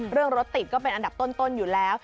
เรื่องรถติดก็เป็นอันดับต้นอยู่แล้ว